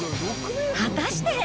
果たして。